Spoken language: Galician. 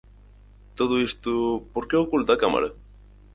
Todo isto, ¿por que o oculta á Cámara?